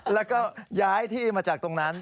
แล้วก็ย้ายที่มาจากตรงนั้น